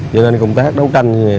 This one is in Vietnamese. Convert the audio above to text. cho nên công tác đấu tranh